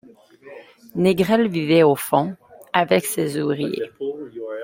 Négrel vivait au fond, avec ses ouvriers.